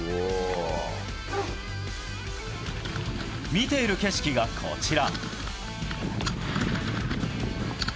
見ている景色がこちら。